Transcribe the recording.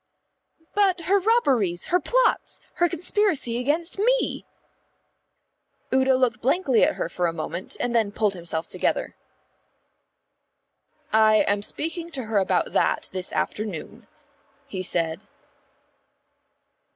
"But her robberies, her plots, her conspiracy against me!" Udo looked blankly at her for a moment and then pulled himself together. "I am speaking to her about that this afternoon," he said.